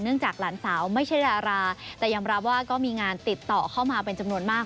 จากหลานสาวไม่ใช่ดาราแต่ยอมรับว่าก็มีงานติดต่อเข้ามาเป็นจำนวนมาก